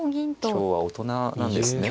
今日は大人なんですね。